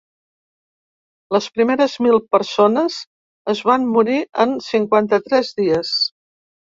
Les primeres mil persones es van morir en cinquanta-tres dies.